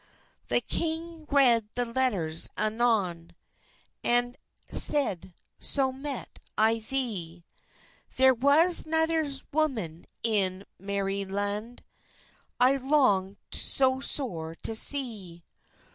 The kyng red the letturs anon, And seid, "so met I the, Ther was neuer zoman in mery Inglond I longut so sore to see.